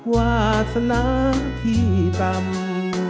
วาสนาที่ตามมา